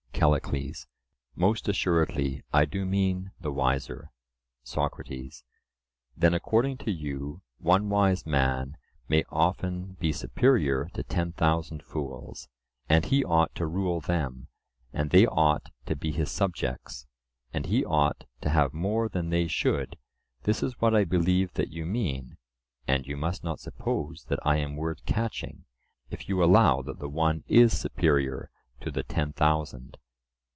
CALLICLES: Most assuredly, I do mean the wiser. SOCRATES: Then according to you, one wise man may often be superior to ten thousand fools, and he ought to rule them, and they ought to be his subjects, and he ought to have more than they should. This is what I believe that you mean (and you must not suppose that I am word catching), if you allow that the one is superior to the ten thousand?